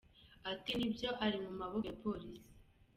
Ati “ Nibyo ari mu maboko ya Polisi.